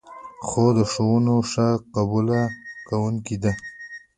خور د ښوونو ښه قبوله کوونکې ده.